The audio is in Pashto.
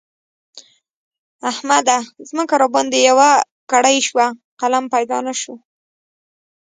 احمده! ځمکه راباندې يوه کړۍ شوه؛ قلم پيدا نه شو.